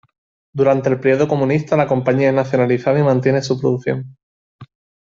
Durante el periodo comunista la compañía es nacionalizada y mantiene su producción.